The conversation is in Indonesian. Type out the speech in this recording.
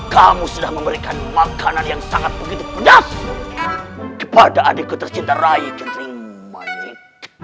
kamu sudah memberikan makanan yang sangat begitu pedas kepada adikku tercinta rayi gentrima nik